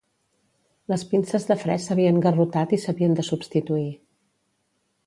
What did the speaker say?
Les pinces de fre s'havien garrotat i s'havien de substituir.